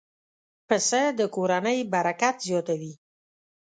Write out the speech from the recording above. پسه د کورنۍ برکت زیاتوي.